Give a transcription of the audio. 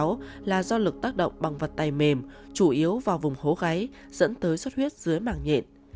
tổn thương của cháu là do lực tác động bằng vật tay mềm chủ yếu vào vùng hố gáy dẫn tới suất huyết dưới màng nhện